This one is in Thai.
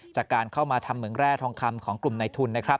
จากการเข้ามาทำเหมืองแร่ทองคำของกลุ่มในทุนนะครับ